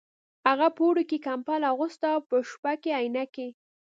هغه په اوړي کې کمبله اغوسته او په شپه کې عینکې